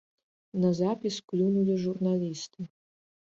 На запіс клюнулі журналісты.